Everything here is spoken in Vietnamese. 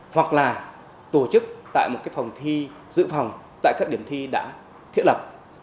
hoặc là tổ chức tại một phòng thi dự phòng tại các điểm thi đã thiết lập